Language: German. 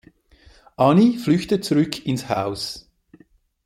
Annie flüchtet zurück ins Haus.